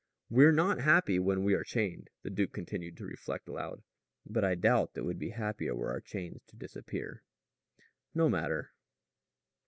"We're not happy when we are chained," the duke continued to reflect aloud. "But I doubt that we'd be happier were our chains to disappear. No matter."